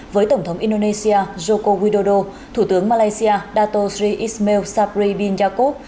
với tổng thống indonesia joko widodo thủ tướng malaysia dato sri ismail sabri bin jakob